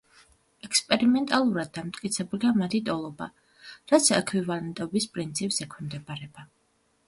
ექსპერიმენტალურად დამტკიცებულია მათი ტოლობა, რაც ექვივალენტობის პრინციპს ექვემდებარება.